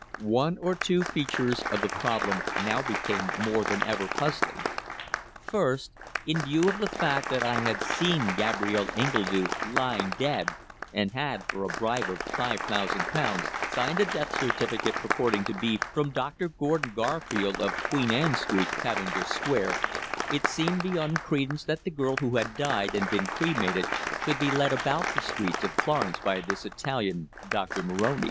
One or two features of the problem now became more than ever puzzling. First, in view of the fact that I had seen Gabrielle Engledue lying dead and had, for a bribe of five thousand pounds, signed a death certificate purporting to be from Doctor Gordon Garfield, of Queen Anne Street, Cavendish Square, it seemed beyond credence that the girl who had died and been cremated should be led about the streets of Florence by this Italian, Doctor Moroni.